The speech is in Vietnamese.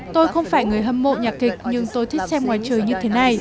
tôi không phải người hâm mộ nhạc kịch nhưng tôi thích xem ngoài trời như thế này